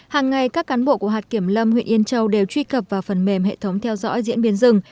hàng ngày các cán bộ của hạt kiểm lâm huyện yên châu đều truy cập vào phần mềm hệ thống theo dõi diễn biến rừng